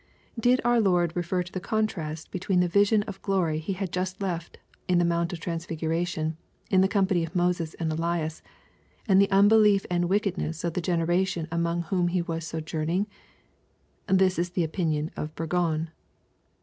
Did our Loid refer to the contrast between the vision of glory he had just left in the Mount of Transfiguration, in the company of Moses and Elias, and the unbelief and wickedness of the generation among whom He was sojourning? This is the opinion of Burgon.